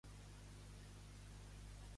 Què més ha volgut ressaltar Cuixart?